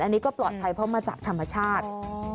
อันนี้ก็ปลอดภัยเพราะมาจากธรรมชาติ